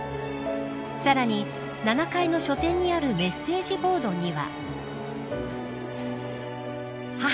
さらに７階の書店にあるメッセージボードには。